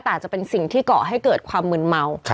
แต่จะเป็นสิ่งที่ก่อให้เกิดความมืนเมา